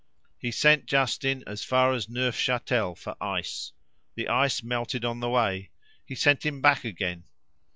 He sent Justin as far as Neufchâtel for ice; the ice melted on the way; he sent him back again.